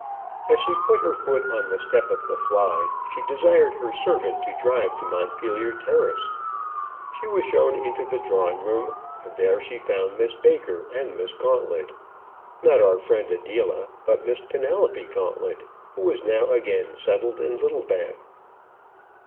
As she put her foot on the step of the fly she desired her servant to drive to Montpellier Terrace. She was shown into the drawing room, and there she found Miss Baker and Miss Gauntlet; not our friend Adela, but Miss Penelope Gauntlet, who was now again settled in Littlebath.